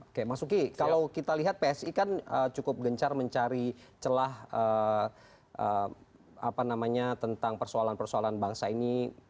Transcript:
oke mas uki kalau kita lihat psi kan cukup gencar mencari celah tentang persoalan persoalan bangsa ini